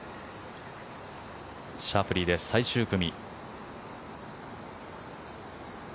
シャフリーです、最終組。